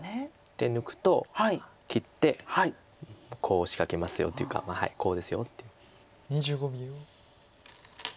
手抜くと切ってコウを仕掛けますよというかコウですよっていう。